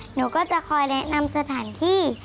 หนูก็จะคอยแนะนำสถานที่